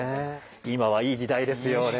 今はいい時代ですよね